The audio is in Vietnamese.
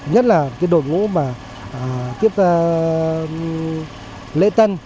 nhất là cái đội ngũ mà tiếp lễ tân